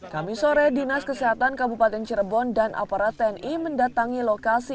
kami sore dinas kesehatan kabupaten cirebon dan aparat tni mendatangi lokasi